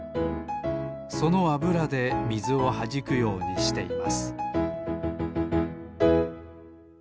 そのあぶらでみずをはじくようにしています